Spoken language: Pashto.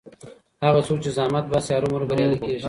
هغه څوک چې زحمت باسي هرو مرو بریالی کېږي.